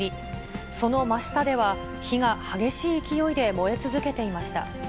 その真下では、火が激しい勢いで燃え続けていました。